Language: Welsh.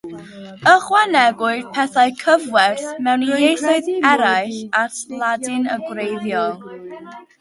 Ychwanegwyd pethau cyfwerth mewn ieithoedd eraill at Ladin y gwreiddiol.